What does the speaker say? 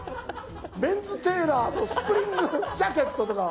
メンズテーラーとスプリングジャケットとか。